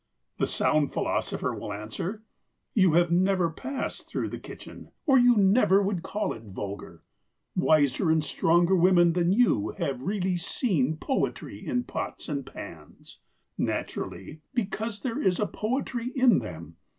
The sound philosopher will answer, "You have never passed through the kitchen, or you never would call it vulgar. Wiser and stronger women than you have really seen a poetry in pots and pans; naturally, because there is a poetry in them."